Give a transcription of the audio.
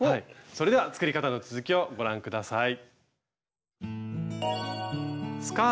それでは作り方の続きをご覧下さい。